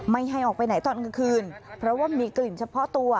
ไม่ให้ออกไปไหนตอนกลางคืนเพราะว่ามีกลิ่นเฉพาะตัว